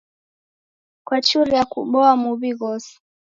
Kwachuria kuboa muw'i ghose.